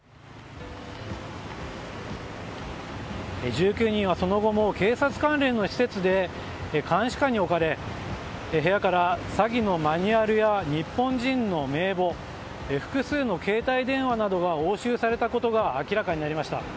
１９人は、その後も警察関連の施設で監視下に置かれ部屋から詐欺のマニュアルや日本人の名簿複数の携帯電話などが押収されたことが明らかになりました。